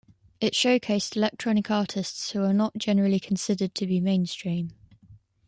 It showcased electronic artists who are not generally considered to be mainstream.